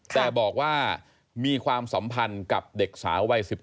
แต่บอกว่ามีความสัมพันธ์กับเด็กสาววัย๑๙